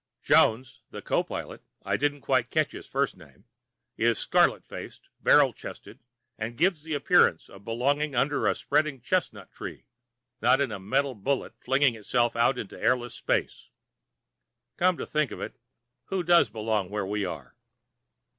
Jones (that's the co pilot; I didn't quite catch his first name) is scarlet faced, barrel chested and gives the general appearance of belonging under the spreading chestnut tree, not in a metal bullet flinging itself out into airless space. Come to think of it, who does belong where we are?